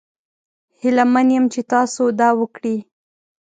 هیله من یم چې تاسو دا وکړي.